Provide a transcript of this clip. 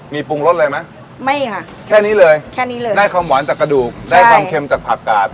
มีปรุงรสเลยมั้ยแค่นี้เลยได้ความหวานจากกระดูกได้ความเค็มจากผักกาด